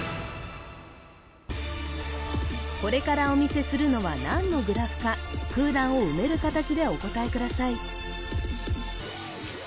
これからお見せするのは何のグラフか空欄を埋める形でお答えください